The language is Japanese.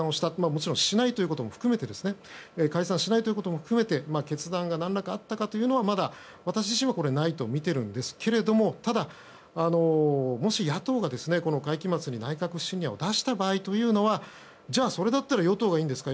もちろん解散しないということも含めて決断が何らかあったかというのは私自身はないとみているんですけれどもただ、もし野党が会期末に内閣不信任を出した場合はじゃあ、それだったら与党がいいんですか？